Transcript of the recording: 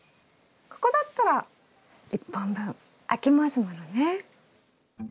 ここだったら１本分空きますものね。